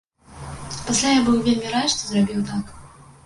Пасля я быў вельмі рад, што зрабіў так.